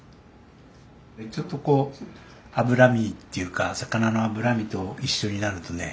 ちょっとこう脂身っていうか魚の脂身と一緒になるとね